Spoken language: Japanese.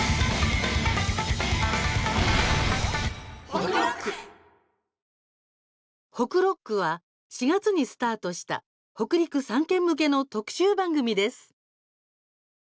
「ホクロック！」は４月にスタートした北陸３県向けの特集番組です。